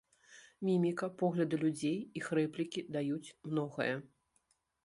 Міміка, погляды людзей, іх рэплікі даюць многае.